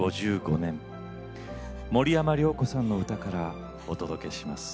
５５年森山良子さんの歌からお届けします。